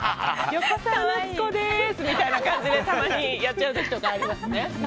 横澤夏子ですみたいな感じでたまにやっちゃうこととかありますね。